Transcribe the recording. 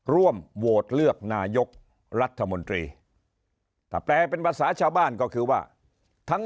ร่วมโหวตเลือกนายกรัฐมนตรีถ้าแปลเป็นภาษาชาวบ้านก็คือว่าทั้ง